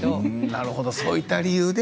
なるほど、そういった理由で。